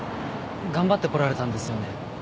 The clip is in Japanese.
頑張ってこられたんですよね